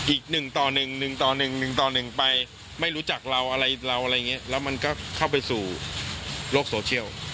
อีกหนึ่งต่อหนึ่งหนึ่งต่อหนึ่งหนึ่งต่อหนึ่งไปไม่รู้จักเราอะไรเราอะไรอย่างนี้แล้วมันก็เข้าไปสู่โลกโซเชียล